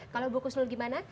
kalau bukus lulu gimana